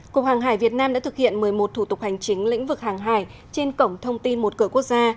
cục hàng hải việt nam đã thực hiện một mươi một thủ tục hành chính lĩnh vực hàng hải trên cổng thông tin một cửa quốc gia